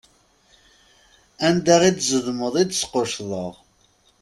Anda i d-zedmeḍ, i d-squcceḍeɣ.